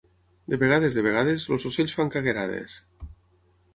De vegades, de vegades, els ocells fan cagarades.